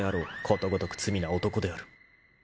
［ことごとく罪な男である］